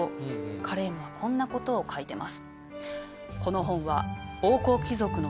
カレームはこんなことを書いてます。